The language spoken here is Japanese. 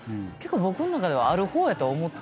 僕の中ではある方やと思ってた。